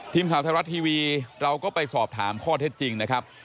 ทีมข่าวไทยรัฐทีวีเราก็ไปสอบถามข้อเท็จจริงนะครับ